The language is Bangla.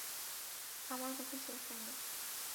আমার কথা শেষ হয়নি।